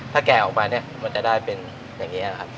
ถ้าแกออกไปเนี่ยมันจะได้เป็นอย่างนี้นะครับ